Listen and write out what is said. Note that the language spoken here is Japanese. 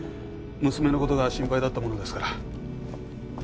娘の事が心配だったものですから。